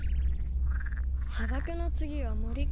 さばくの次はもりか。